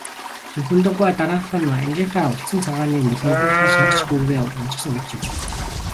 Лхүндэв гуай дараахан нь ангийнхаа улцан цагааныг малиндуулахаар шаргач гүүгээ уначихсан хөтөлж явж билээ.